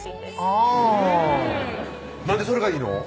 あぁなんでそれがいいの？